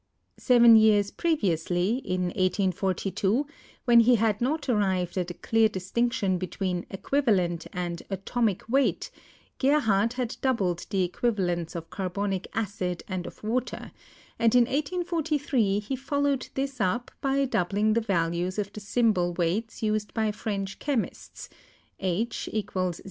Seven years previously, in 1842, when he had not ar rived at a clear distinction between "equivalent" and "atomic weight," Gerhardt had doubled the equivalents of carbonic acid and of water, and in 1843 he followed this up by doubling the values of the symbol weights used by French chemists (H = 0.